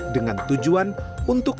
dengan tujuan untuk